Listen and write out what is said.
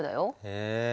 へえ。